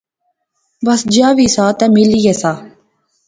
بس جیا وی سا تہ میل ایہہ سا